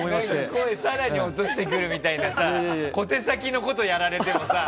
声、更に落としてくるみたいな小手先のことやられてもさ。